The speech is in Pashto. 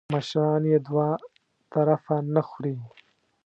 مشران یې دوه طرفه نه خوري .